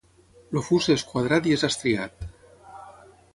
El fust és quadrat i és estriat.